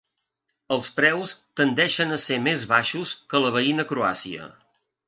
Els preus tendeixen a ser més baixos que a la veïna Croàcia.